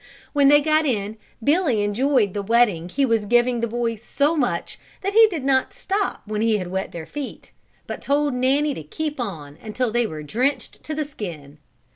When they got in Billy enjoyed the wetting he was giving the boys so much, that he did not stop when he had wet their feet, but told Nanny to keep on until they were drenched to the skin.